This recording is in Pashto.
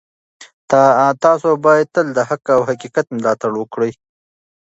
تاسو باید تل د حق او حقیقت ملاتړ وکړئ.